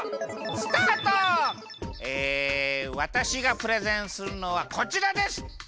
えわたしがプレゼンするのはこちらです！